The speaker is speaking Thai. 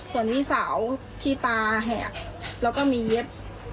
ส่วนพี่สาวที่ตาแหกแล้วก็มีเย็บ